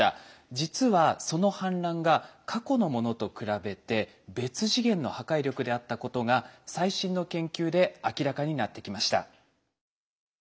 実はその氾濫が過去のものと比べて別次元の破壊力であったことが最新の研究で明らかになってきました。